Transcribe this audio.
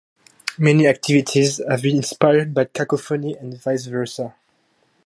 Many activities have been inspired by Cacophony and vice versa.